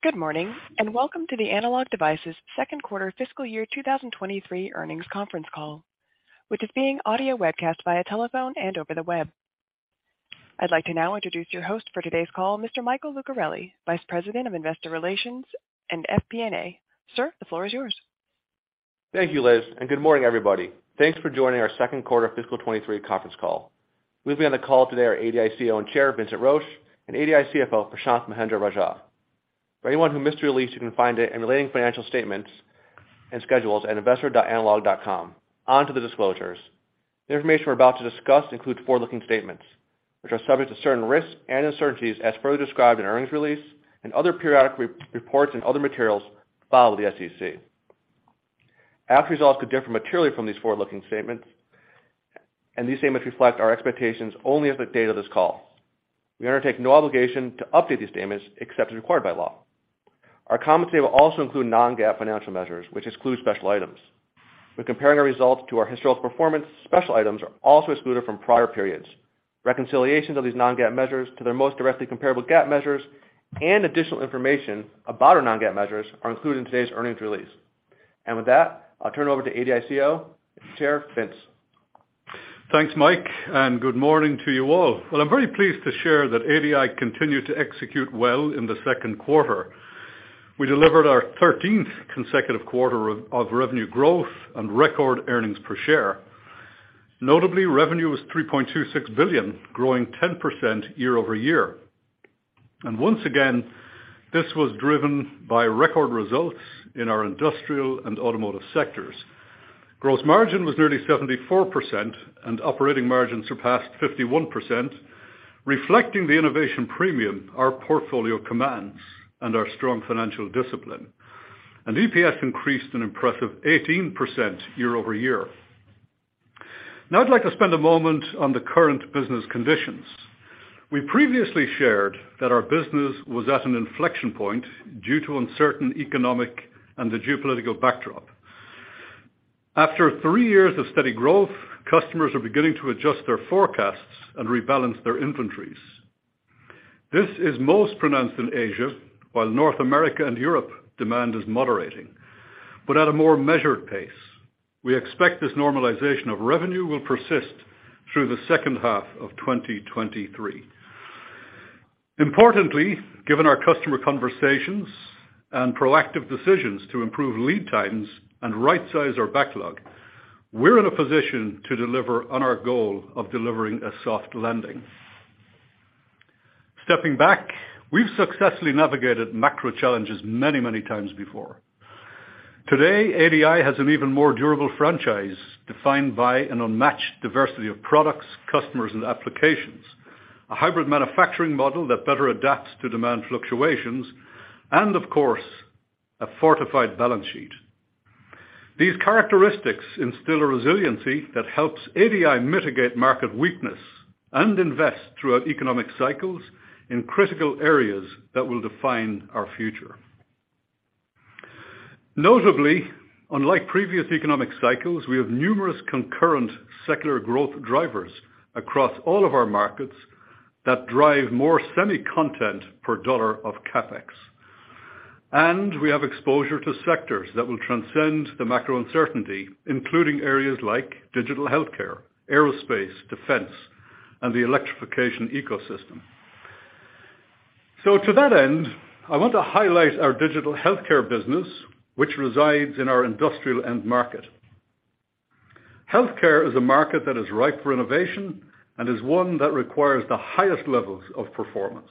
Good morning, welcome to the Analog Devices second quarter fiscal year 2023 earnings conference call, which is being audio webcast via telephone and over the web. I'd like to now introduce your host for today's call, Mr. Michael Lucarelli, Vice President of Investor Relations and FP&A. Sir, the floor is yours. Thank you, Liz. Good morning, everybody. Thanks for joining our second quarter fiscal 2023 conference call. With me on the call today are ADI CEO and Chair Vincent Roche and ADI CFO Prashanth Mahendra-Rajah. For anyone who missed the release, you can find it in relating financial statements and schedules at investor.analog.com. Onto the disclosures. The information we're about to discuss includes forward-looking statements, which are subject to certain risks and uncertainties as further described in earnings release and other periodic re-reports and other materials filed with the SEC. Our results could differ materially from these forward-looking statements. These statements reflect our expectations only as the date of this call. We undertake no obligation to update these statements except as required by law. Our comments may also include non-GAAP financial measures, which exclude special items. When comparing our results to our historical performance, special items are also excluded from prior periods. Reconciliation of these non-GAAP measures to their most directly comparable GAAP measures and additional information about our non-GAAP measures are included in today's earnings release. With that, I'll turn it over to ADI CO Chair Vince. Thanks, Mike. Good morning to you all. Well, I'm very pleased to share that ADI continued to execute well in the second quarter. We delivered our 13th consecutive quarter of revenue growth and record earnings per share. Notably, revenue was $3.26 billion, growing 10% year-over-year. Once again, this was driven by record results in our industrial and automotive sectors. Gross margin was nearly 74% and operating margin surpassed 51%, reflecting the innovation premium our portfolio commands and our strong financial discipline. EPS increased an impressive 18% year-over-year. Now I'd like to spend a moment on the current business conditions. We previously shared that our business was at an inflection point due to uncertain economic and the geopolitical backdrop. After three years of steady growth, customers are beginning to adjust their forecasts and rebalance their inventories. This is most pronounced in Asia, while North America and Europe demand is moderating, but at a more measured pace. We expect this normalization of revenue will persist through the second half of 2023. Importantly, given our customer conversations and proactive decisions to improve lead times and right-size our backlog, we're in a position to deliver on our goal of delivering a soft landing. Stepping back, we've successfully navigated macro challenges many, many times before. Today, ADI has an even more durable franchise defined by an unmatched diversity of products, customers and applications, a hybrid manufacturing model that better adapts to demand fluctuations, and of course, a fortified balance sheet. These characteristics instill a resiliency that helps ADI mitigate market weakness and invest throughout economic cycles in critical areas that will define our future. Notably, unlike previous economic cycles, we have numerous concurrent secular growth drivers across all of our markets that drive more semi-content per dollar of CapEx. We have exposure to sectors that will transcend the macro uncertainty, including areas like digital healthcare, aerospace, defense, and the electrification ecosystem. To that end, I want to highlight our digital healthcare business, which resides in our industrial end market. Healthcare is a market that is ripe for innovation and is one that requires the highest levels of performance.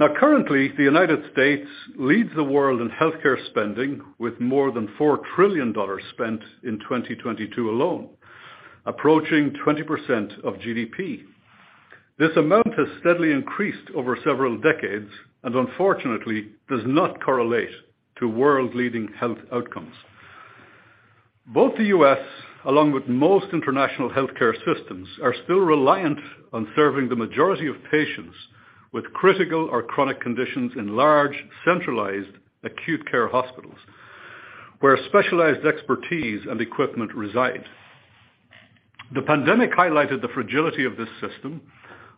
Now currently, the United States leads the world in healthcare spending with more than $4 trillion spent in 2022 alone, approaching 20% of GDP. This amount has steadily increased over several decades and unfortunately does not correlate to world-leading health outcomes. Both the U.S., along with most international healthcare systems, are still reliant on serving the majority of patients with critical or chronic conditions in large, centralized acute care hospitals, where specialized expertise and equipment reside. The pandemic highlighted the fragility of this system,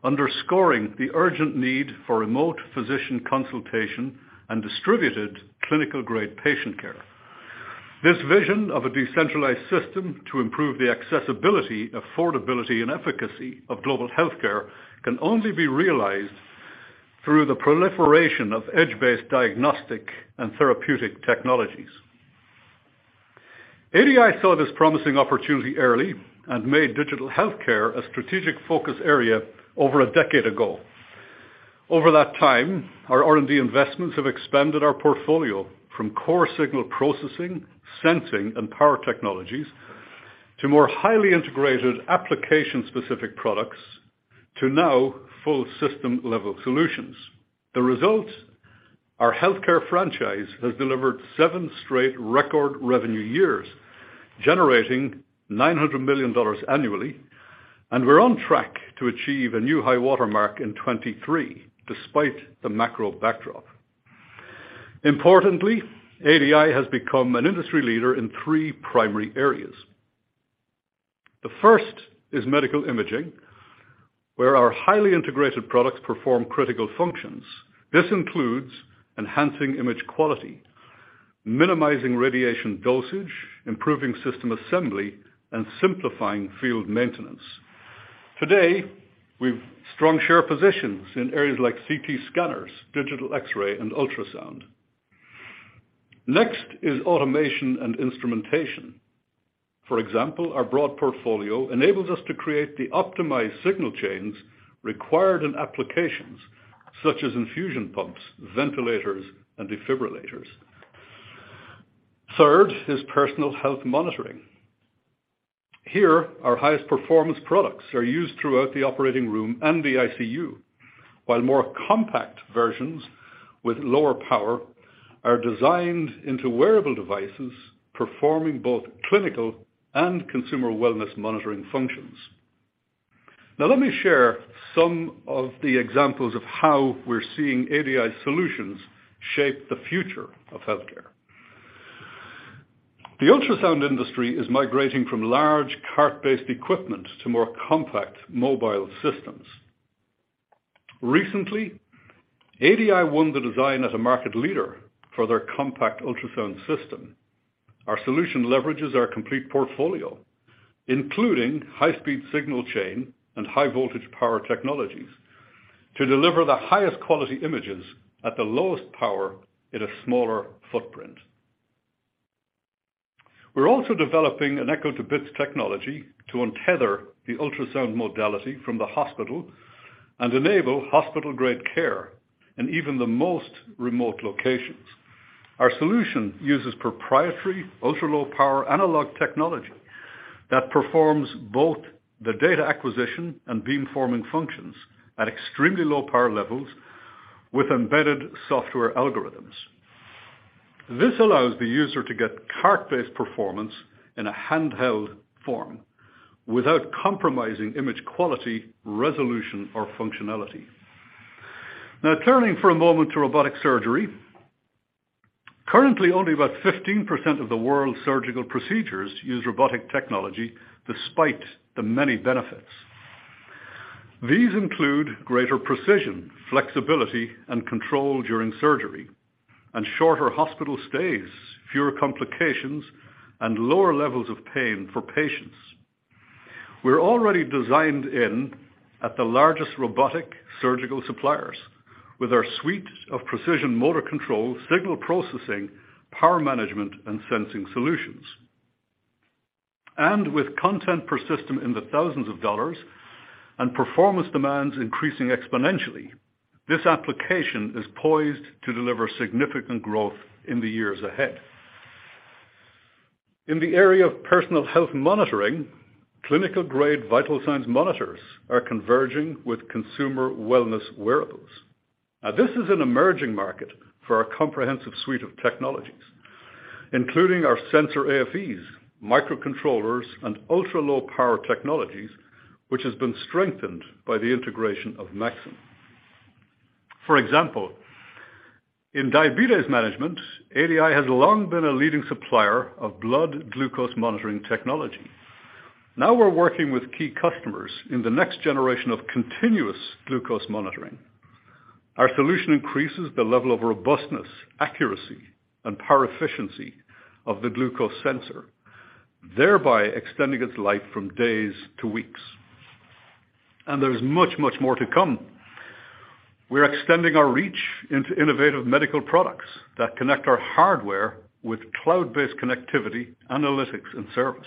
underscoring the urgent need for remote physician consultation and distributed clinical-grade patient care. This vision of a decentralized system to improve the accessibility, affordability, and efficacy of global healthcare can only be realized through the proliferation of edge-based diagnostic and therapeutic technologies. ADI saw this promising opportunity early and made digital healthcare a strategic focus area over a decade ago. Over that time, our R&D investments have expanded our portfolio from core signal processing, sensing, and power technologies to more highly integrated application-specific products to now full system-level solutions. The result: our healthcare franchise has delivered seven straight record revenue years, generating $900 million annually. We're on track to achieve a new high watermark in 2023, despite the macro backdrop. Importantly, ADI has become an industry leader in three primary areas. The first is medical imaging, where our highly integrated products perform critical functions. This includes enhancing image quality, minimizing radiation dosage, improving system assembly, and simplifying field maintenance. Today, we've strong share positions in areas like CT scanners, digital X-ray, and ultrasound. Next is automation and instrumentation. For example, our broad portfolio enables us to create the optimized signal chains required in applications such as infusion pumps, ventilators, and defibrillators. Third is personal health monitoring. Here, our highest performance products are used throughout the operating room and the ICU, while more compact versions with lower power are designed into wearable devices, performing both clinical and consumer wellness monitoring functions. Let me share some of the examples of how we're seeing ADI solutions shape the future of healthcare. The ultrasound industry is migrating from large cart-based equipment to more compact mobile systems. Recently, ADI won the design as a market leader for their compact ultrasound system. Our solution leverages our complete portfolio, including high-speed signal chain and high voltage power technologies, to deliver the highest quality images at the lowest power in a smaller footprint. We're also developing an echo to bits technology to untether the ultrasound modality from the hospital and enable hospital-grade care in even the most remote locations. Our solution uses proprietary ultra-low power analog technology that performs both the data acquisition and beam forming functions at extremely low power levels with embedded software algorithms. This allows the user to get cart-based performance in a handheld form without compromising image quality, resolution, or functionality. Turning for a moment to robotic surgery. Currently only about 15% of the world's surgical procedures use robotic technology despite the many benefits. These include greater precision, flexibility, and control during surgery, and shorter hospital stays, fewer complications, and lower levels of pain for patients. We're already designed in at the largest robotic surgical suppliers with our suite of precision motor control, signal processing, power management, and sensing solutions. With content per system in the thousands of dollars and performance demands increasing exponentially, this application is poised to deliver significant growth in the years ahead. In the area of personal health monitoring, clinical grade vital signs monitors are converging with consumer wellness wearables. This is an emerging market for our comprehensive suite of technologies, including our sensor AFEs, microcontrollers, and ultra-low power technologies, which has been strengthened by the integration of Maxim. For example, in diabetes management, ADI has long been a leading supplier of blood glucose monitoring technology. We're working with key customers in the next generation of continuous glucose monitoring. Our solution increases the level of robustness, accuracy, and power efficiency of the glucose sensor, thereby extending its life from days to weeks. There's much, much more to come. We're extending our reach into innovative medical products that connect our hardware with cloud-based connectivity, analytics, and service.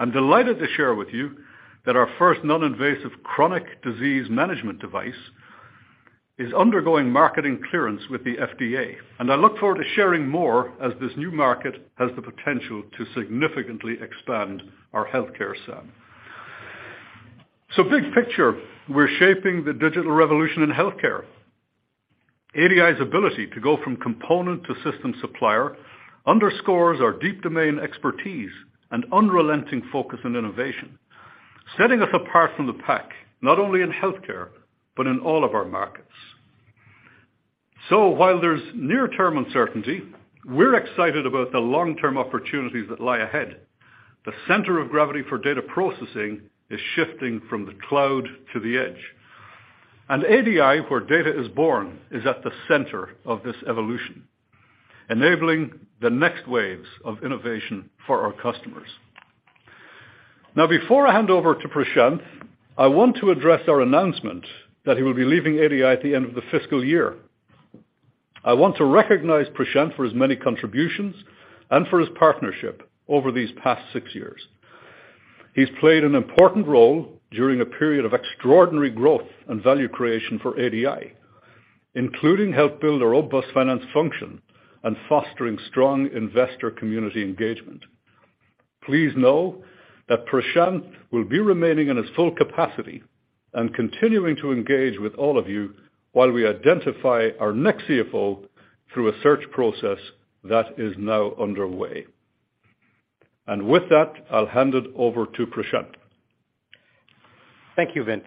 I'm delighted to share with you that our first non-invasive chronic disease management device is undergoing marketing clearance with the FDA. I look forward to sharing more as this new market has the potential to significantly expand our healthcare SAM. Big picture, we're shaping the digital revolution in healthcare. ADI's ability to go from component to system supplier underscores our deep domain expertise and unrelenting focus on innovation, setting us apart from the pack, not only in healthcare, but in all of our markets. While there's near-term uncertainty, we're excited about the long-term opportunities that lie ahead. The center of gravity for data processing is shifting from the cloud to the edge. ADI, where data is born, is at the center of this evolution, enabling the next waves of innovation for our customers. Now, before I hand over to Prashanth, I want to address our announcement that he will be leaving ADI at the end of the fiscal year. I want to recognize Prashanth for his many contributions and for his partnership over these past six years. He's played an important role during a period of extraordinary growth and value creation for ADI, including help build our robust finance function and fostering strong investor community engagement. Please know that Prashanth will be remaining in his full capacity and continuing to engage with all of you while we identify our next CFO through a search process that is now underway. With that, I'll hand it over to Prashanth. Thank you, Vince.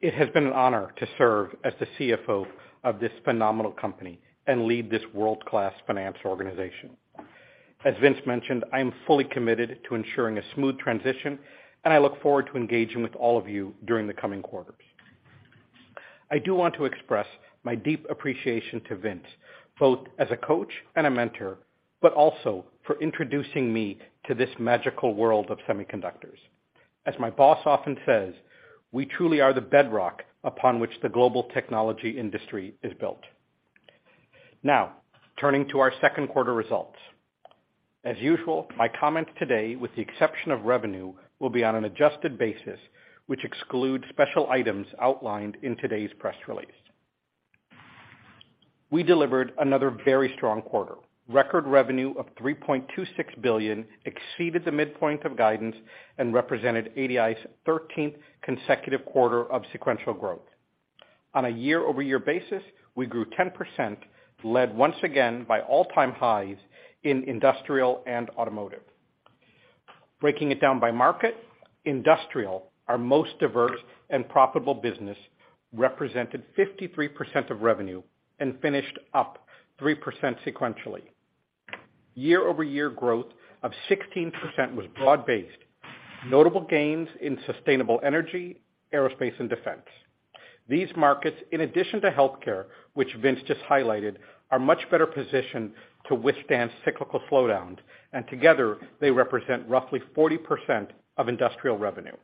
It has been an honor to serve as the CFO of this phenomenal company and lead this world-class finance organization. As Vince mentioned, I am fully committed to ensuring a smooth transition, and I look forward to engaging with all of you during the coming quarters. I do want to express my deep appreciation to Vince, both as a coach and a mentor, but also for introducing me to this magical world of semiconductors. As my boss often says, we truly are the bedrock upon which the global technology industry is built. Turning to our second quarter results. As usual, my comments today, with the exception of revenue, will be on an adjusted basis, which excludes special items outlined in today's press release. We delivered another very strong quarter. Record revenue of $3.26 billion exceeded the midpoint of guidance and represented ADI's 13th consecutive quarter of sequential growth. On a year-over-year basis, we grew 10%, led once again by all-time highs in industrial and automotive. Breaking it down by market, industrial, our most diverse and profitable business, represented 53% of revenue and finished up 3% sequentially. Year-over-year growth of 16% was broad-based. Notable gains in sustainable energy, aerospace, and defense. These markets, in addition to healthcare, which Vince just highlighted, are much better positioned to withstand cyclical slowdown, and together they represent roughly 40% of industrial revenue.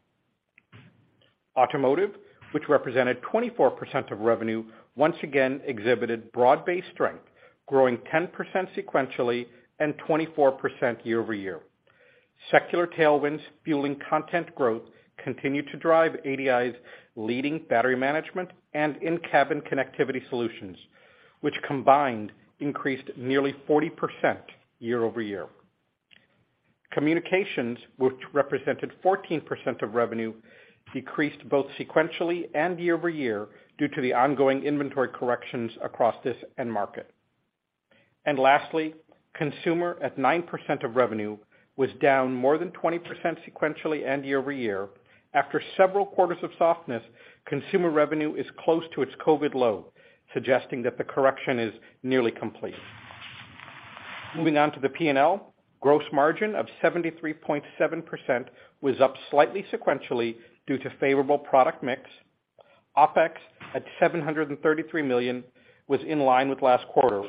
Automotive, which represented 24% of revenue, once again exhibited broad-based strength, growing 10% sequentially and 24% year-over-year. Secular tailwinds fueling content growth continued to drive ADI's leading Battery Management and in-cabin connectivity solutions, which combined increased nearly 40% year-over-year. Communications, which represented 14% of revenue, decreased both sequentially and year-over-year due to the ongoing inventory corrections across this end market. Lastly, consumer, at 9% of revenue, was down more than 20% sequentially and year-over-year. After several quarters of softness, consumer revenue is close to its COVID low, suggesting that the correction is nearly complete. Moving on to the P&L. Gross margin of 73.7% was up slightly sequentially due to favorable product mix. OpEx at $733 million was in line with last quarter.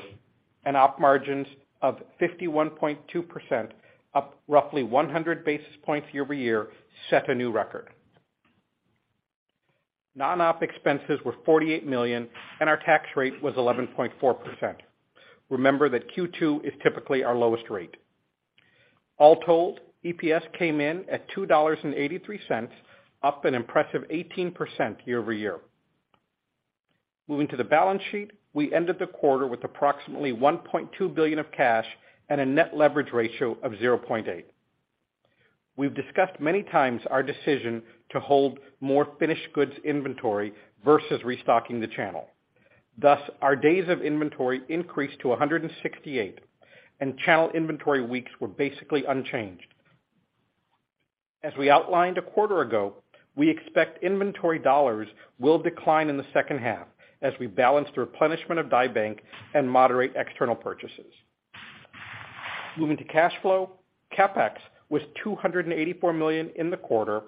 Op margins of 51.2%, up roughly 100 basis points year-over-year, set a new record. Non-op expenses were $48 million, and our tax rate was 11.4%. Remember that Q2 is typically our lowest rate. All told, EPS came in at $2.83, up an impressive 18% year-over-year. Moving to the balance sheet. We ended the quarter with approximately $1.2 billion of cash and a net leverage ratio of 0.8. We've discussed many times our decision to hold more finished goods inventory versus restocking the channel. Our days of inventory increased to 168, and channel inventory weeks were basically unchanged. As we outlined a quarter ago, we expect inventory dollars will decline in the second half as we balance the replenishment of Die Bank and moderate external purchases. Moving to cash flow, CapEx was $284 million in the quarter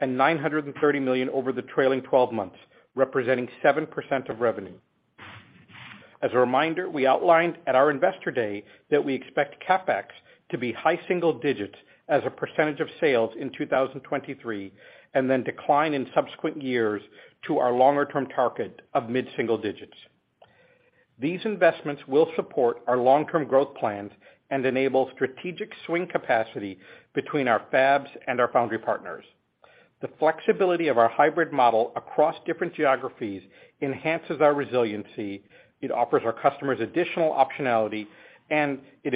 and $930 million over the trailing 12 months, representing 7% of revenue. As a reminder, we outlined at our Investor Day that we expect CapEx to be high single digits as a percentage of sales in 2023, and then decline in subsequent years to our longer-term target of mid-single digits. These investments will support our long-term growth plans and enable strategic swing capacity between our fabs and our foundry partners. The flexibility of our hybrid model across different geographies enhances our resiliency. It offers our customers additional optionality, and it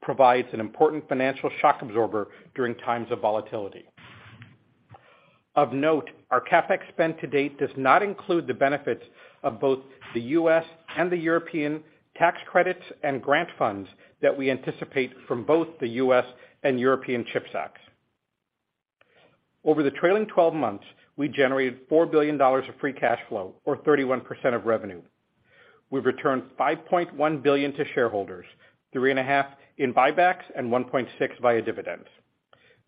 provides an important financial shock absorber during times of volatility. Of note, our CapEx spend to date does not include the benefits of both the U.S. and the European tax credits and grant funds that we anticipate from both the U.S. and European CHIPS Act. Over the trailing 12 months, we generated $4 billion of free cash flow, or 31% of revenue. We've returned $5.1 billion to shareholders, three and a half in buybacks and $1.6 billion via dividends.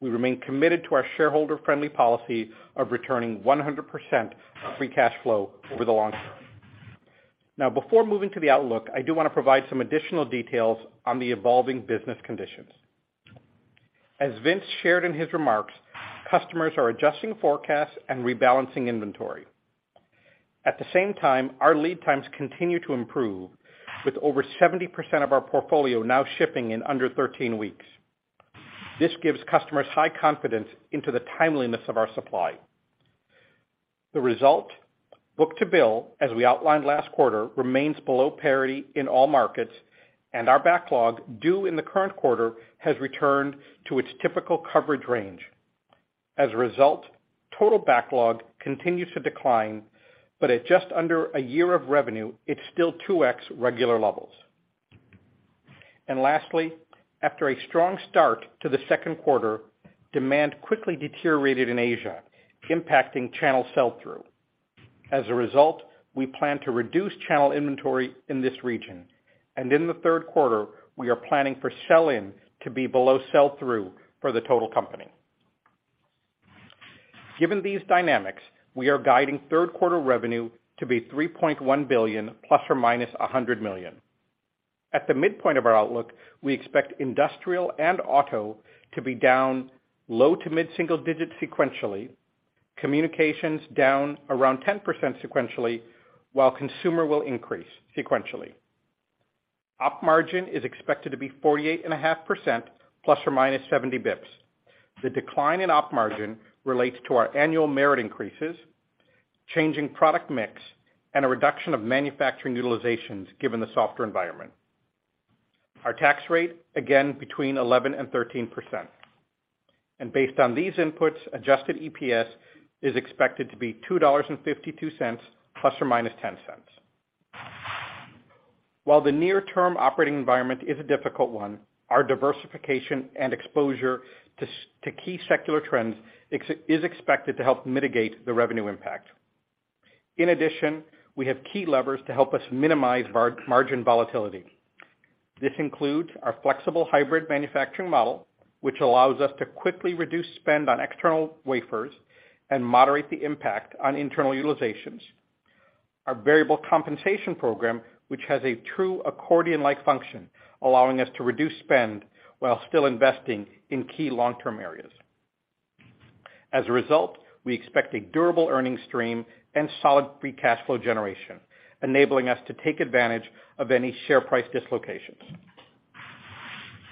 We remain committed to our shareholder-friendly policy of returning 100% of free cash flow over the long term. Now, before moving to the outlook, I do want to provide some additional details on the evolving business conditions. As Vince shared in his remarks, customers are adjusting forecasts and rebalancing inventory. At the same time, our lead times continue to improve, with over 70% of our portfolio now shipping in under 13 weeks. This gives customers high confidence into the timeliness of our supply. The result, book-to-bill, as we outlined last quarter, remains below parity in all markets, and our backlog due in the current quarter has returned to its typical coverage range. As a result, total backlog continues to decline, but at just under a year of revenue, it's still 2x regular levels. Lastly, after a strong start to the second quarter, demand quickly deteriorated in Asia, impacting channel sell-through. As a result, we plan to reduce channel inventory in this region. In the third quarter, we are planning for sell-in to be below sell-through for the total company. Given these dynamics, we are guiding third quarter revenue to be $3.1 billion ± $100 million. At the midpoint of our outlook, we expect industrial and auto to be down low to mid-single digit sequentially, communications down around 10% sequentially, while consumer will increase sequentially. Op margin is expected to be 48.5% ± 70 basis points. The decline in op margin relates to our annual merit increases, changing product mix, and a reduction of manufacturing utilizations given the softer environment. Our tax rate, again, between 11% and 13%. Based on these inputs, adjusted EPS is expected to be $2.52 ±$0.10. While the near-term operating environment is a difficult one, our diversification and exposure to key secular trends is expected to help mitigate the revenue impact. In addition, we have key levers to help us minimize margin volatility. This includes our flexible hybrid manufacturing model, which allows us to quickly reduce spend on external wafers and moderate the impact on internal utilizations. Our variable compensation program, which has a true accordion-like function, allowing us to reduce spend while still investing in key long-term areas. As a result, we expect a durable earnings stream and solid free cash flow generation, enabling us to take advantage of any share price dislocations.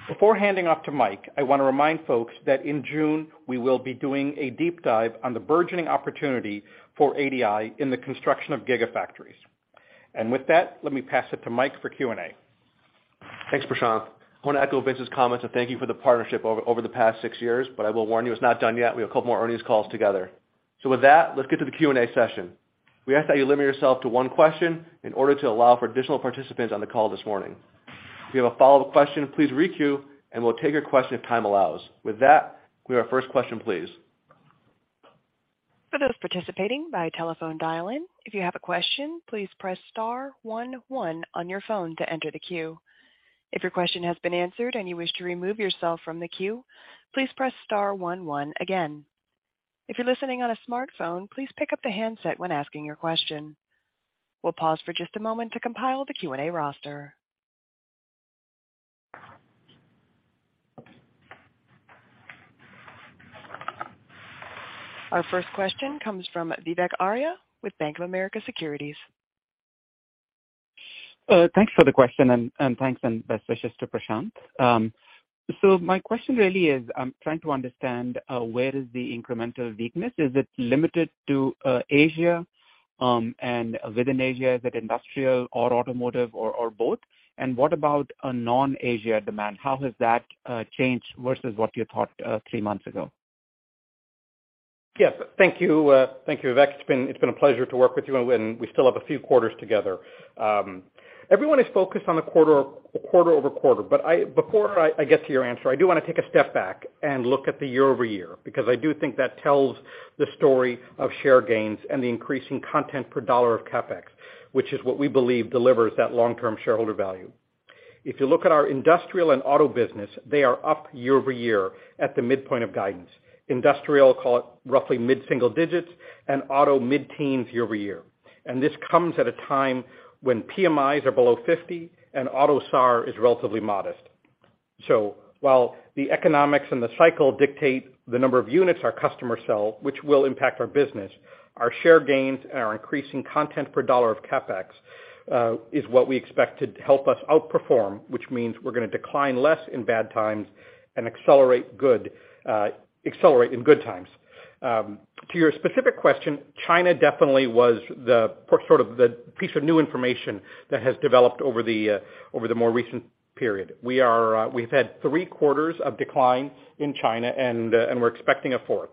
Before handing off to Mike, I wanna remind folks that in June, we will be doing a deep dive on the burgeoning opportunity for ADI in the construction of gigafactories. With that, let me pass it to Mike for Q&A. Thanks, Prashanth. I wanna echo Vince's comments and thank you for the partnership over the past six years. I will warn you, it's not done yet. We have a couple more earnings calls together. With that, let's get to the Q&A session. We ask that you limit yourself to one question in order to allow for additional participants on the call this morning. If you have a follow-up question, please re-queue, and we'll take your question if time allows. With that, give me our first question, please. For those participating by telephone dial-in, if you have a question, please press star one one on your phone to enter the queue. If your question has been answered and you wish to remove yourself from the queue, please press star one one again. If you're listening on a smartphone, please pick up the handset when asking your question. We'll pause for just a moment to compile the Q&A roster. Our first question comes from Vivek Arya with Bank of America Securities. Thanks for the question and thanks and best wishes to Prashanth. My question really is, I'm trying to understand, where is the incremental weakness. Is it limited to Asia, and within Asia, is it industrial or automotive or both? What about non-Asia demand? How has that changed versus what you thought three months ago? Yes. Thank you. Thank you, Vivek. It's been a pleasure to work with you, and we still have a few quarters together. Everyone is focused on the quarter-over-quarter. Before I get to your answer, I do wanna take a step back and look at the year-over-year because I do think that tells the story of share gains and the increasing content per dollar of CapEx, which is what we believe delivers that long-term shareholder value. If you look at our industrial and auto business, they are up year-over-year at the midpoint of guidance. Industrial, call it roughly mid-single digits, and auto mid-teens year-over-year. This comes at a time when PMIs are below 50 and autos, SAAR is relatively modest. While the economics and the cycle dictate the number of units our customers sell, which will impact our business, our share gains and our increasing content per dollar of CapEx is what we expect to help us outperform, which means we're gonna decline less in bad times and accelerate in good times. To your specific question, China definitely was the, sort of the piece of new information that has developed over the more recent period. We've had three quarters of decline in China and we're expecting a fourth.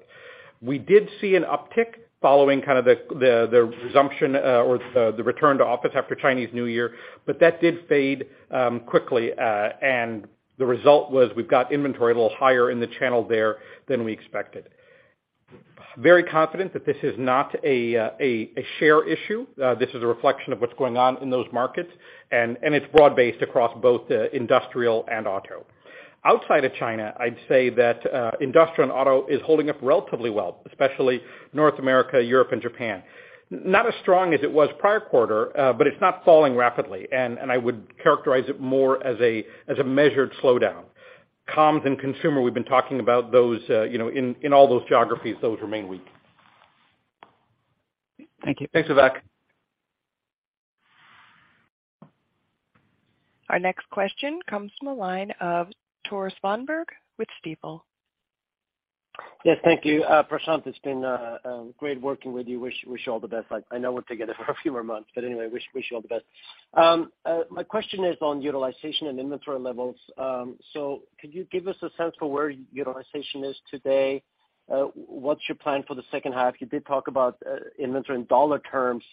We did see an uptick following kind of the resumption or the return to office after Chinese New Year, but that did fade quickly, and the result was we've got inventory a little higher in the channel there than we expected. Very confident that this is not a share issue. This is a reflection of what's going on in those markets, and it's broad-based across both industrial and auto. Outside of China, I'd say that industrial and auto is holding up relatively well, especially North America, Europe, and Japan. Not as strong as it was prior quarter, but it's not falling rapidly, and I would characterize it more as a measured slowdown. Comms and consumer, we've been talking about those, you know, in all those geographies, those remain weak. Thank you. Thanks, Vivek. Our next question comes from the line of Tore Svanberg with Stifel. Yes, thank you. Prashanth, it's been great working with you. Wish you all the best. I know we're together for a few more months, but anyway, wish you all the best. My question is on utilization and inventory levels. Could you give us a sense for where utilization is today? What's your plan for the second half? You did talk about inventory in dollar terms,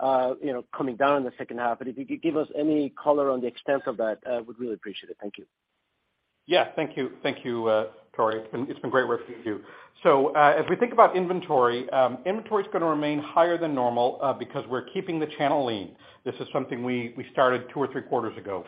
you know, coming down in the second half. If you could give us any color on the extent of that, would really appreciate it. Thank you. Yeah. Thank you. Thank you, Tore. It's been great working with you. As we think about inventory is gonna remain higher than normal, because we're keeping the channel lean. This is something we started two or three quarters ago.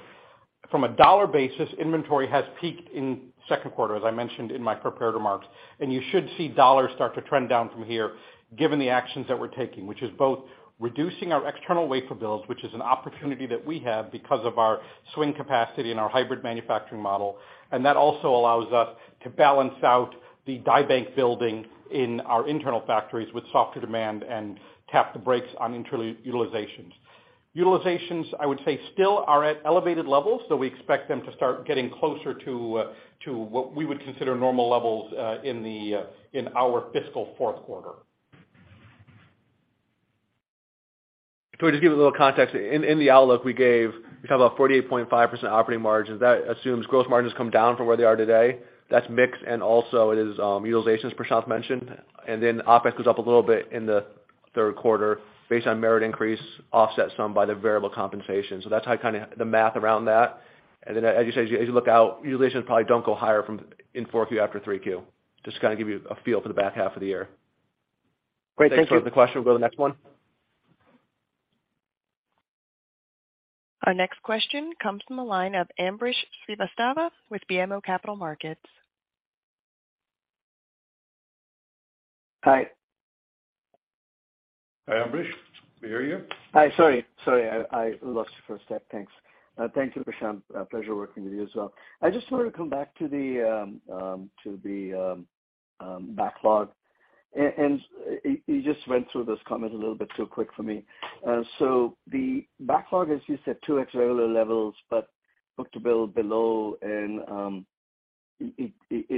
From a dollar basis, inventory has peaked in second quarter, as I mentioned in my prepared remarks. You should see dollars start to trend down from here, given the actions that we're taking, which is both reducing our external wafer builds, which is an opportunity that we have because of our swing capacity and our hybrid manufacturing model. That also allows us to balance out the die bank building in our internal factories with softer demand and tap the brakes on utilizations. Utilizations, I would say, still are at elevated levels. We expect them to start getting closer to what we would consider normal levels, in the, in our fiscal fourth quarter. To just give a little context, in the outlook we gave, we talk about 48.5% operating margins. That assumes gross margins come down from where they are today. That's mix, and also it is utilizations, Prashanth mentioned. OpEx goes up a little bit in the third quarter based on merit increase, offset some by the variable compensation. That's how, kind of the math around that. As you say, as you look out, utilizations probably don't go higher from in 4Q after 3Q. Just to kind of give you a feel for the back half of the year. Great. Thanks. Thanks for the question. We'll go to the next one. Our next question comes from the line of Ambrish Srivastava with BMO Capital Markets. Hi. Hi, Ambrish. Can we hear you? Hi. Sorry, I lost you for a sec. Thanks. Thank you, Prashanth. A pleasure working with you as well. I just wanted to come back to the backlog. You just went through those comments a little bit too quick for me. The backlog, as you said, 2X regular levels, but book-to-bill below and it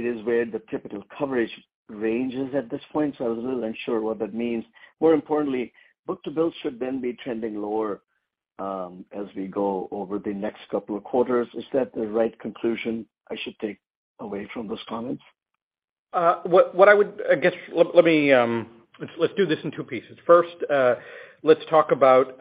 is where the typical coverage range is at this point. I was a little unsure what that means. More importantly, book-to-bill should then be trending lower as we go over the next couple of quarters. Is that the right conclusion I should take away from those comments? What I would, I guess, let me, let's do this in two pieces. First, let's talk about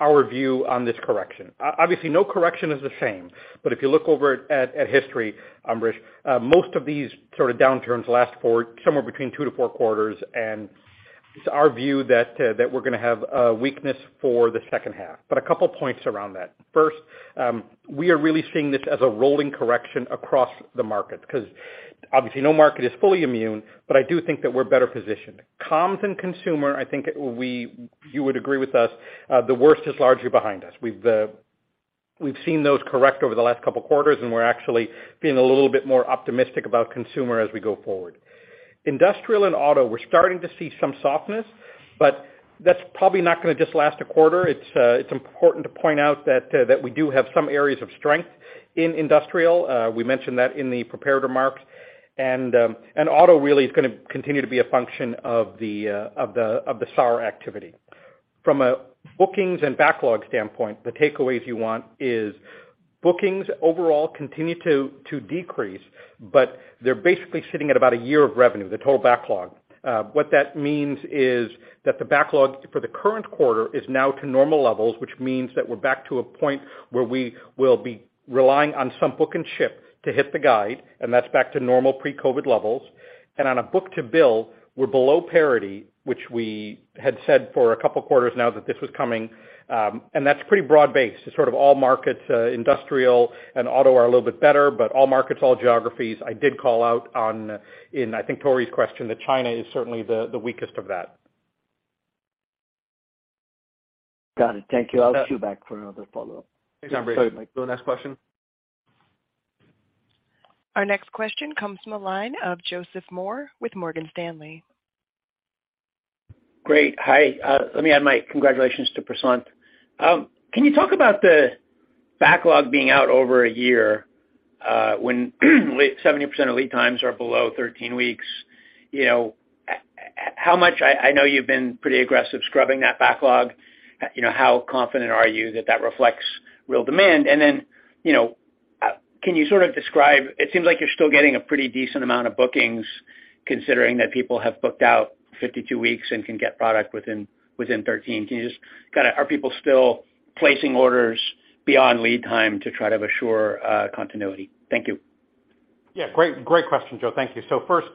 our view on this correction. Obviously, no correction is the same. If you look over at history, Ambrish, most of these sort of downturns last for somewhere between two to four quarters, and it's our view that we're gonna have a weakness for the second half. A couple points around that. First, we are really seeing this as a rolling correction across the market because obviously no market is fully immune, but I do think that we're better positioned. Comms and consumer, I think we, you would agree with us, the worst is largely behind us. We've seen those correct over the last couple quarters, and we're actually being a little bit more optimistic about consumer as we go forward. Industrial and auto, we're starting to see some softness, but that's probably not gonna just last a quarter. It's important to point out that we do have some areas of strength in industrial. We mentioned that in the prepared remarks. Auto really is gonna continue to be a function of the SAAR activity. From a bookings and backlog standpoint, the takeaways you want is bookings overall continue to decrease, but they're basically sitting at about a year of revenue, the total backlog. What that means is that the backlog for the current quarter is now to normal levels, which means that we're back to a point where we will be relying on some book and ship to hit the guide, and that's back to normal pre-COVID levels. On a book-to-bill, we're below parity, which we had said for a couple quarters now that this was coming, and that's pretty broad-based. It's sort of all markets, industrial and auto are a little bit better, but all markets, all geographies. I did call out on, in I think Tore's question, that China is certainly the weakest of that. Got it. Thank you. Yeah. I'll queue back for another follow-up. Thanks, Ambrish. Go to the next question. Our next question comes from the line of Joseph Moore with Morgan Stanley. Great. Hi. let me add my congratulations to Prashanth. Can you talk about the backlog being out over a year, when 70% of lead times are below 13 weeks, you know, how much I know you've been pretty aggressive scrubbing that backlog. You know, how confident are you that that reflects real demand? Then, you know, can you sort of describe, it seems like you're still getting a pretty decent amount of bookings considering that people have booked out 52 weeks and can get product within 13. Can you just kind of, are people still placing orders beyond lead time to try to assure continuity? Thank you. Yeah. Great question, Joe. Thank you. First,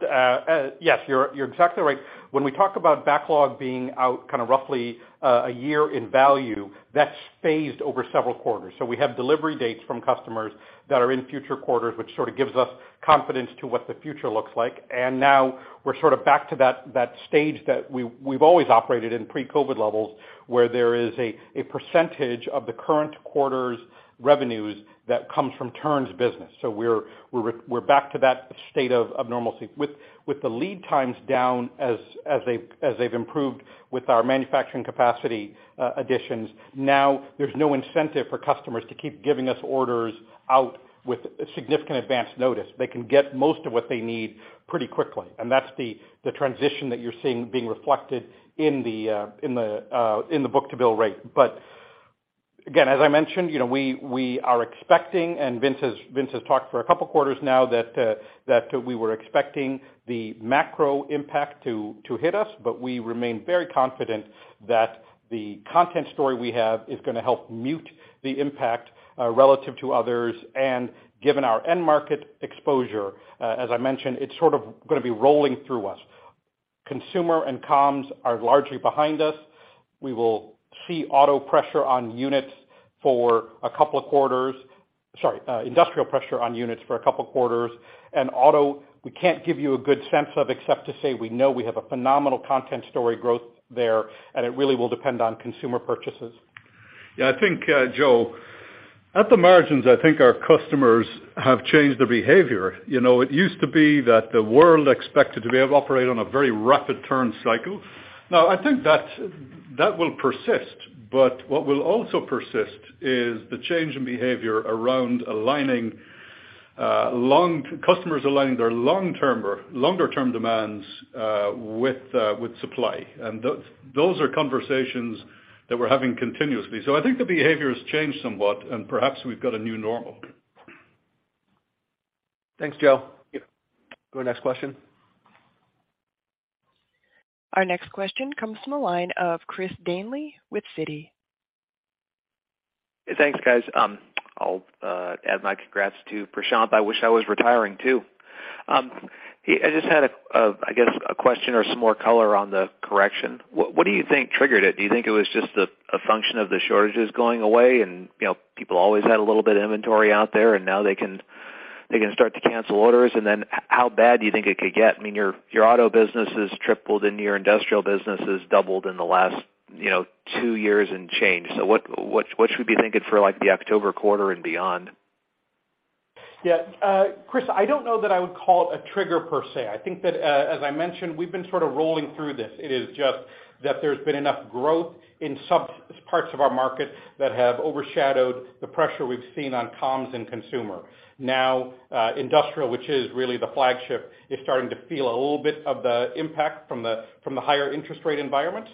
yes, you're exactly right. When we talk about backlog being out kind of roughly a year in value, that's phased over several quarters. We have delivery dates from customers that are in future quarters, which sort of gives us confidence to what the future looks like. Now we're sort of back to that stage that we've always operated in pre-COVID levels, where there is a % of the current quarter's revenues that comes from turns business. We're back to that state of normalcy. With the lead times down as they've improved with our manufacturing capacity additions, now there's no incentive for customers to keep giving us orders out with significant advanced notice. They can get most of what they need pretty quickly, and that's the transition that you're seeing being reflected in the book-to-bill rate. Again, as I mentioned, you know, we are expecting, and Vince has talked for a couple of quarters now that we were expecting the macro impact to hit us. We remain very confident that the content story we have is gonna help mute the impact relative to others. Given our end market exposure, as I mentioned, it's sort of gonna be rolling through us. Consumer and comms are largely behind us. We will see auto pressure on units for a couple of quarters. Sorry, industrial pressure on units for a couple quarters. Auto, we can't give you a good sense of except to say we know we have a phenomenal content story growth there, and it really will depend on consumer purchases. Yeah, I think, Joe, at the margins, I think our customers have changed their behavior. You know, it used to be that the world expected to be able to operate on a very rapid turn cycle. I think that will persist, but what will also persist is the change in behavior around aligning, customers aligning their long term or longer term demands, with supply. Those are conversations that we're having continuously. I think the behavior has changed somewhat, and perhaps we've got a new normal. Thanks, Joe. Yeah. Go to next question. Our next question comes from the line of Christopher Danely with Citi. Thanks, guys. I'll add my congrats to Prashanth. I wish I was retiring too. I just had a question or some more color on the correction. What do you think triggered it? Do you think it was just a function of the shortages going away and, you know, people always had a little bit of inventory out there, and now they can start to cancel orders? How bad do you think it could get? I mean, your auto business has tripled, and your industrial business has doubled in the last, you know, two years and change. What should we be thinking for like the October quarter and beyond? Chris, I don't know that I would call it a trigger per se. I think that, as I mentioned, we've been sort of rolling through this. It is just that there's been enough growth in some parts of our market that have overshadowed the pressure we've seen on comms and consumer. Now, industrial, which is really the flagship, is starting to feel a little bit of the impact from the higher interest rate environment.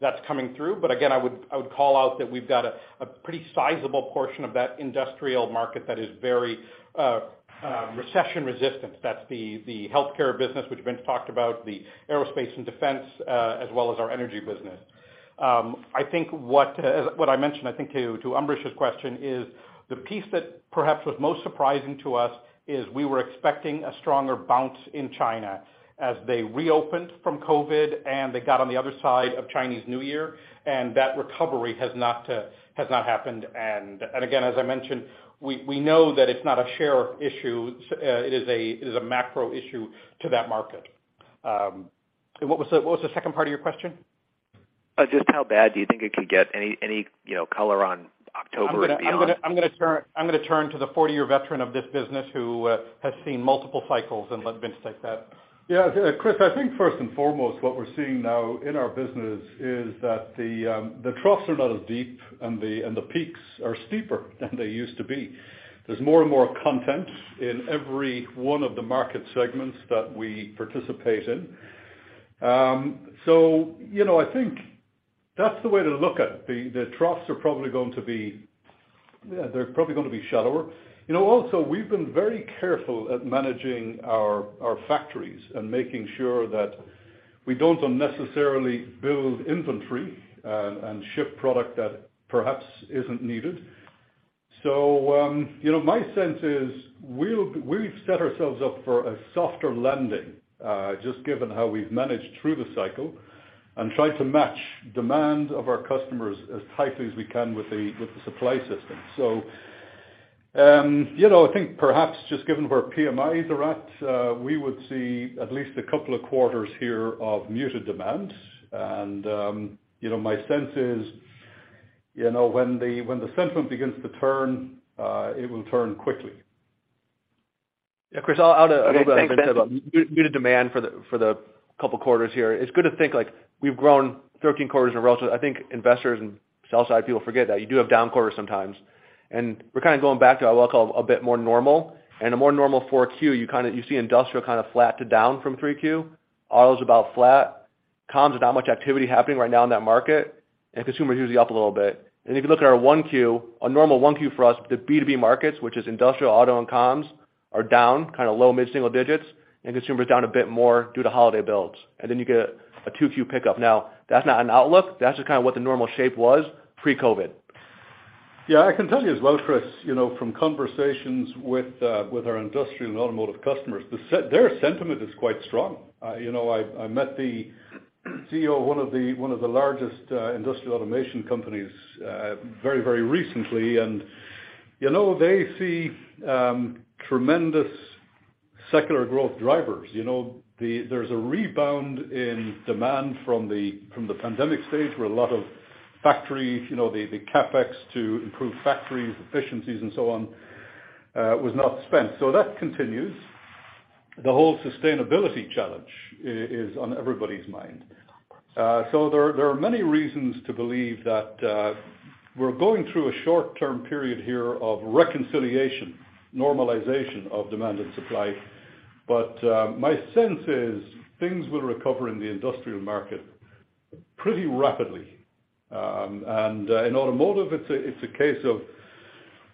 That's coming through. Again, I would call out that we've got a pretty sizable portion of that industrial market that is very recession resistant. That's the healthcare business, which Vince talked about, the aerospace and defense, as well as our energy business. I think what, as what I mentioned, I think to Ambrish's question is the piece that perhaps was most surprising to us is we were expecting a stronger bounce in China as they reopened from COVID. They got on the other side of Chinese New Year, and that recovery has not happened. Again, as I mentioned, we know that it's not a share issue. It is a macro issue to that market. What was the second part of your question? Just how bad do you think it could get? Any, you know, color on October and beyond. I'm gonna turn to the 40-year veteran of this business who has seen multiple cycles and let Vince take that. Chris, I think first and foremost, what we're seeing now in our business is that the troughs are not as deep and the peaks are steeper than they used to be. There's more and more content in every one of the market segments that we participate in. You know, I think that's the way to look at it. The troughs are probably going to be, they're probably gonna be shallower. You know, also, we've been very careful at managing our factories and making sure that we don't unnecessarily build inventory and ship product that perhaps isn't needed. You know, my sense is we've set ourselves up for a softer landing, just given how we've managed through the cycle and tried to match demand of our customers as tightly as we can with the, with the supply system. You know, I think perhaps just given where PMIs are at, we would see at least a couple of quarters here of muted demand. You know, my sense is, you know, when the, when the sentiment begins to turn, it will turn quickly. Chris, I'll add what Vince said about muted demand for the couple quarters here. It's good to think like we've grown 13 quarters in a row. I think investors and sell side people forget that you do have down quarters sometimes. We're kind of going back to what I'll call a bit more normal. In a more normal 4Q, you see industrial kind of flat to down from 3Q. Auto's about flat. Comms, there's not much activity happening right now in that market. Consumer's usually up a little bit. If you look at our 1Q, a normal 1Q for us, the B2B markets, which is industrial, auto, and comms, are down kind of low mid-single digits, and consumer's down a bit more due to holiday builds. You get a 2Q pickup. That's not an outlook. That's just kind of what the normal shape was pre-COVID. Yeah, I can tell you as well, Chris, you know, from conversations with our industrial and automotive customers, their sentiment is quite strong. You know, I met the CEO of one of the largest industrial automation companies very, very recently. You know, they see tremendous secular growth drivers. You know, there's a rebound in demand from the pandemic stage, where a lot of factories, you know, the CapEx to improve factories, efficiencies and so on, was not spent. That continues. The whole sustainability challenge is on everybody's mind. There are many reasons to believe that we're going through a short-term period here of reconciliation, normalization of demand and supply. My sense is things will recover in the industrial market pretty rapidly. In automotive, it's a case of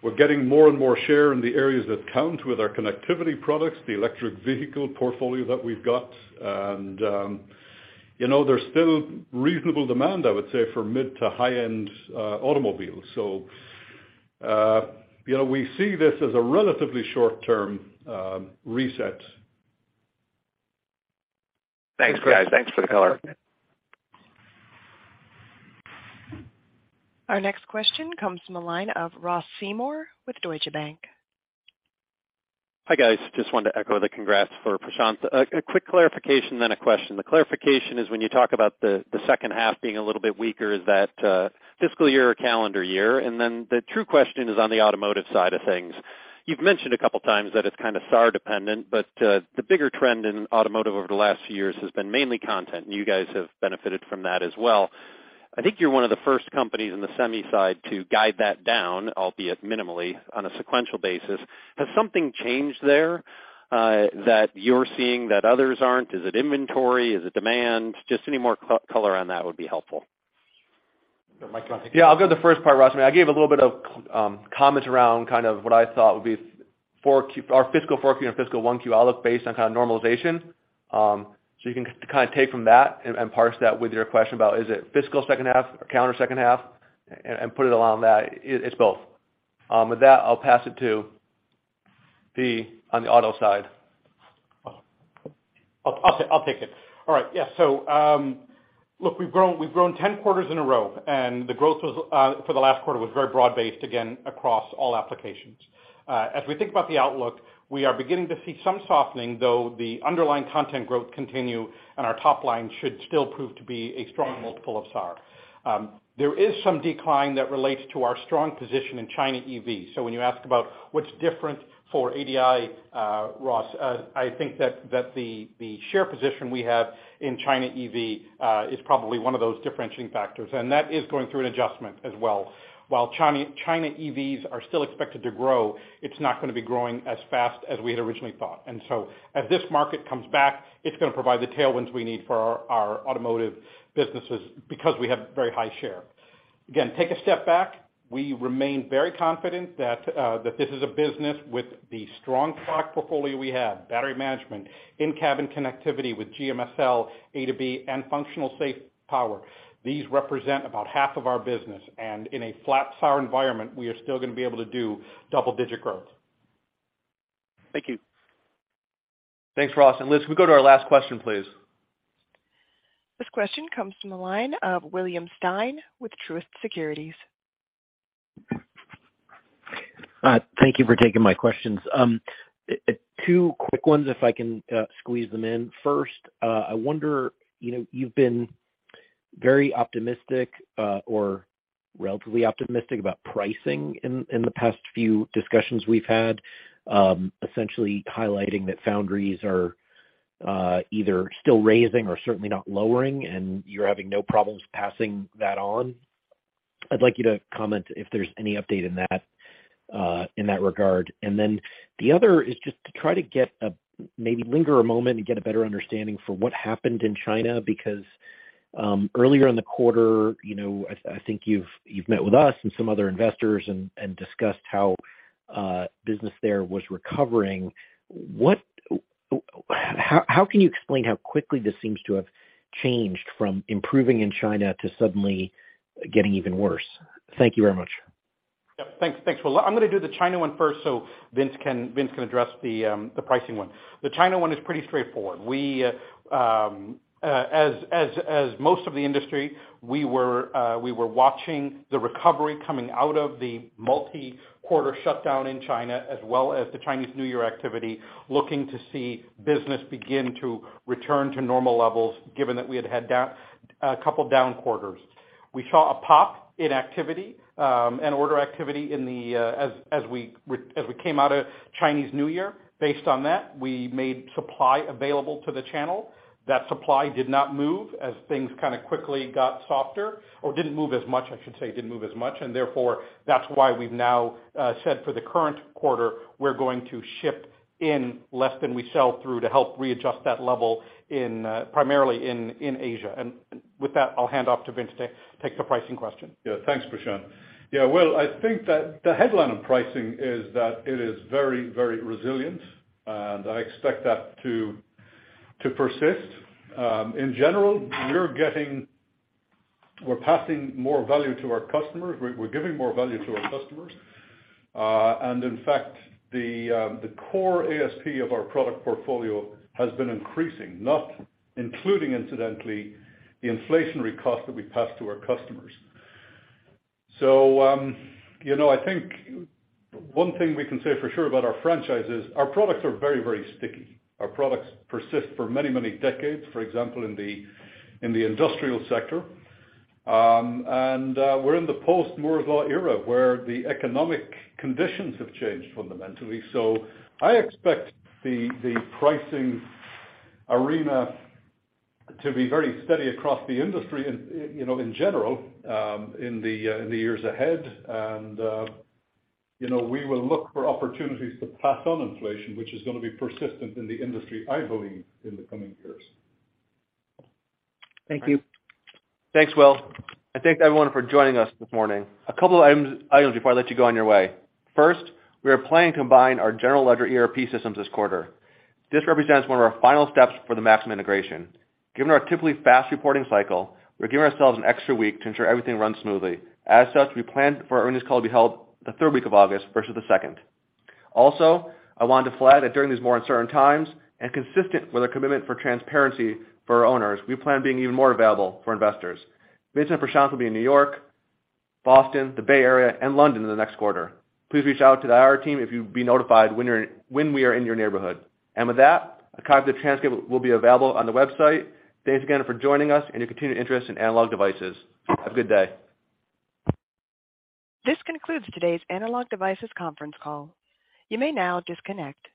we're getting more and more share in the areas that count with our connectivity products, the electric vehicle portfolio that we've got, you know, there's still reasonable demand, I would say, for mid to high-end automobiles. You know, we see this as a relatively short-term reset. Thanks, guys. Thanks for the color. Our next question comes from the line of Ross Seymore with Deutsche Bank. Hi, guys. Just wanted to echo the congrats for Prashanth. A quick clarification, then a question. The clarification is when you talk about the second half being a little bit weaker, is that fiscal year or calendar year? The true question is on the automotive side of things. You've mentioned two times that it's kind of SAAR dependent, but the bigger trend in automotive over the last few years has been mainly content. You guys have benefited from that as well. I think you're one of the first companies in the semi side to guide that down, albeit minimally on a sequential basis. Has something changed there that you're seeing that others aren't? Is it inventory? Is it demand? Just any more color on that would be helpful. Mike, do you wanna take that? Yeah, I'll go to the first part, Ross. I mean, I gave a little bit of comments around kind of what I thought would be 4Q our fiscal 4Q and fiscal 1Q outlook based on kind of normalization. You can kind of take from that and parse that with your question about is it fiscal second half or calendar second half and put it along that. It's both. With that, I'll pass it to Vince on the other side. I'll take it. All right. Yeah. Look, we've grown 10 quarters in a row, and the growth was for the last quarter was very broad-based, again, across all applications. As we think about the outlook, we are beginning to see some softening, though, the underlying content growth continue and our top line should still prove to be a strong multiple of SAAR. There is some decline that relates to our strong position in China EV. When you ask about what's different for ADI, Ross, I think that the share position we have in China EV is probably one of those differentiating factors, and that is going through an adjustment as well. While China EVs are still expected to grow, it's not gonna be growing as fast as we had originally thought. As this market comes back, it's gonna provide the tailwinds we need for our automotive businesses because we have very high share. Again, take a step back. We remain very confident that this is a business with the strong product portfolio we have, Battery Management, in-cabin connectivity with GMSL A2B, and functionally safe power. These represent about half of our business, and in a flat SAAR environment, we are still gonna be able to do double-digit growth. Thank you. Thanks, Ross. Liz, can we go to our last question, please? This question comes from the line of William Stein with Truist Securities. Thank you for taking my questions. Two quick ones, if I can squeeze them in. First, I wonder, you know, you've been very optimistic, or relatively optimistic about pricing in the past few discussions we've had, essentially highlighting that foundries are either still raising or certainly not lowering, and you're having no problems passing that on. I'd like you to comment if there's any update in that, in that regard. The other is just to try to get a... maybe linger a moment and get a better understanding for what happened in China, because, earlier in the quarter, you know, I think you've met with us and some other investors and discussed how business there was recovering. What... How can you explain how quickly this seems to have changed from improving in China to suddenly getting even worse? Thank you very much. Yeah, thanks. Thanks, Will. I'm gonna do the China one first, so Vince can address the pricing one. The China one is pretty straightforward. We, as most of the industry, we were watching the recovery coming out of the multi-quarter shutdown in China, as well as the Chinese New Year activity, looking to see business begin to return to normal levels, given that we had down a couple down quarters. We saw a pop in activity and order activity in the as we came out of Chinese New Year. Based on that, we made supply available to the channel. That supply did not move as things kinda quickly got softer or didn't move as much, I should say, didn't move as much, and therefore that's why we've now said for the current quarter, we're going to ship in less than we sell through to help readjust that level in primarily in Asia. With that, I'll hand off to Vince to take the pricing question. Thanks, Prashanth. Well, I think that the headline of pricing is that it is very resilient, and I expect that to persist. In general, we're passing more value to our customers. We're giving more value to our customers. In fact, the core ASP of our product portfolio has been increasing, not including incidentally, the inflationary cost that we pass to our customers. You know, I think one thing we can say for sure about our franchise is our products are very sticky. Our products persist for many decades, for example, in the industrial sector. We're in the post-Moore's Law era, where the economic conditions have changed fundamentally. I expect the pricing arena to be very steady across the industry and, you know, in general, in the years ahead. You know, we will look for opportunities to pass on inflation, which is gonna be persistent in the industry, I believe, in the coming years. Thank you. Thanks, Will, and thank you everyone for joining us this morning. A couple of items before I let you go on your way. First, we are planning to combine our general ledger ERP systems this quarter. This represents one of our final steps for the Maxim integration. Given our typically fast reporting cycle, we're giving ourselves an extra week to ensure everything runs smoothly. As such, we plan for our earnings call to be held the third week of August versus the second. I wanted to flag that during these more uncertain times, and consistent with our commitment for transparency for our owners, we plan on being even more available for investors. Vince and Prashanth will be in New York, Boston, the Bay Area and London in the next quarter. Please reach out to the IR team if you'd be notified when we are in your neighborhood. With that, a copy of the transcript will be available on the website. Thanks again for joining us and your continued interest in Analog Devices. Have a good day. This concludes today's Analog Devices conference call. You may now disconnect.